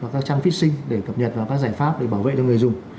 và các trang phích sinh để cập nhật vào các giải pháp để bảo vệ cho người dùng